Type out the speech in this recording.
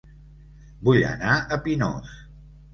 Vull anar a Pinós